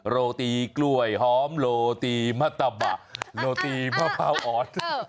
โรตีกล้วยหอมโรตีมะตะบะโรตีมะพร้าวอ่อน